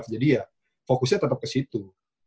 jadi ya fokusnya tetap ke situ